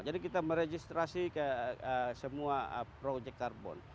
jadi kita meregistrasi semua project carbon